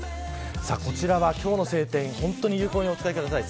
こちらは今日の晴天有効にお使いください。